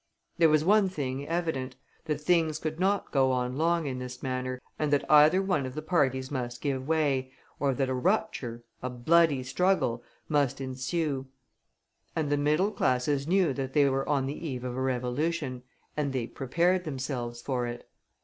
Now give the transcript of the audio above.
There was one thing evident: that things could not go on long in this manner, and that either one of the parties must give way, or that a rupture a bloody struggle must ensue. And the middle classes knew that they were on the eve of a revolution, and they prepared themselves for it.